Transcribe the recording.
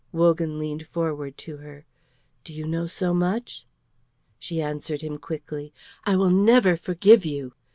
Wogan leaned forward to her. "Do you know so much?" She answered him quickly. "I will never forgive you.